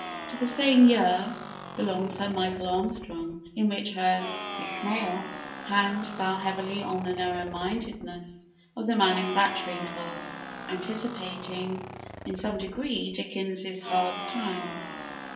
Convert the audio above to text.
To the same year belongs her "Michael Armstrong," in which her Ishmael hand fell heavily on the narrow mindedness of the manufacturing class anticipating, in some degree, Dickens's "Hard Times."